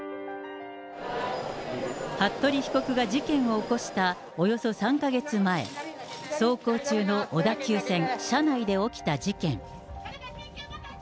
服部被告が事件を起こしたおよそ３か月前、走行中の小田急線車内で起きた事件。